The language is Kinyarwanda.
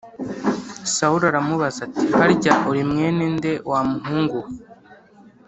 Sawuli aramubaza ati “Harya uri mwene nde wa muhungu we?”